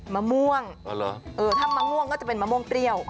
มะม่วงถ้ามะม่วงก็จะเป็นมะม่วงเปรี้ยว